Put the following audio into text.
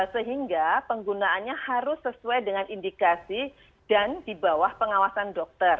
sehingga penggunaannya harus sesuai dengan indikasi dan di bawah pengawasan dokter